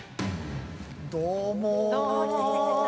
◆どうも。